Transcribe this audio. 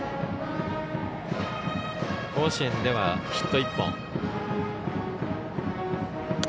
甲子園ではヒット１本。